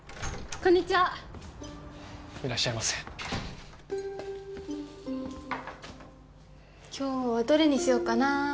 こんにちはいらっしゃいませ今日はどれにしようかな